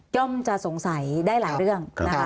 ย่อมจะสงสัยได้หลายเรื่อง